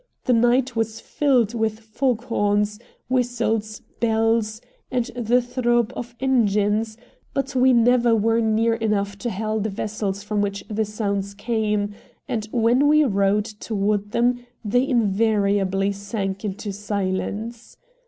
The night was filled with fog horns, whistles, bells, and the throb of engines, but we never were near enough to hail the vessels from which the sounds came, and when we rowed toward them they invariably sank into silence.